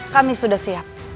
kami sudah siap